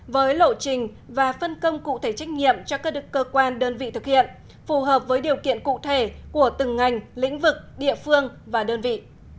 với lộ trình và phân công cụ thể trách nhiệm cho các cơ quan đơn vị thực hiện phù hợp với điều kiện cụ thể của từng ngành lĩnh vực địa phương và đơn vị